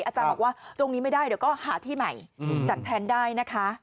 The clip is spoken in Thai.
อาจารย์บอกว่าตรงนี้ไม่ได้เดี๋ยวก็หาที่ใหม่จัดแทนได้นะคะ